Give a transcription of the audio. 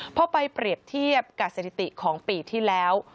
พอไปเปรียบเทียบกับสถิติของปีที่แล้ว